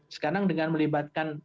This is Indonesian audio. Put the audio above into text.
sekarang dengan melibatkan